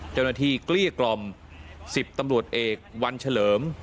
เจ้าหน้าที่กลี้กล่อม๑๐ตำรวจเอกวันเฉลิม